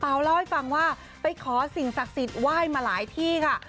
เล่าให้ฟังว่าไปขอสิ่งศักดิ์สิทธิ์ไหว้มาหลายที่ค่ะ